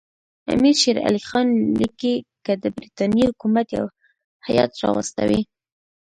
امیر شېر علي خان لیکي که د برټانیې حکومت یو هیات راواستوي.